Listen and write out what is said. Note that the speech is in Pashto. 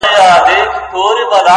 چي ورته سر ټيټ كړمه ـ وژاړمه ـ